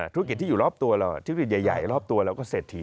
ธุรกิจที่อยู่รอบตัวเราที่อยู่ใหญ่รอบตัวแล้วก็เสร็จถี่